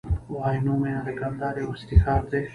عینو مېنه د کندهار یو عصري ښار دی.